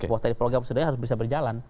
waktu dari program sudah bisa berjalan